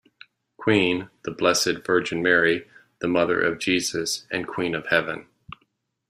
Queen: the Blessed Virgin Mary, the Mother of Jesus and Queen of Heaven.